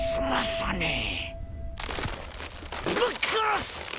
ぶっ殺す！